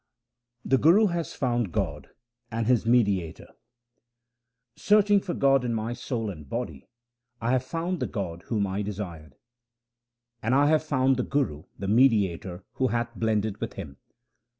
The Guru has found God and His mediator :— Searching for God in my soul and body I have found the God whom I desired ; HYMNS OF GURU RAM DAS 309 And I have found the Guru the mediator who hath blended me with Him.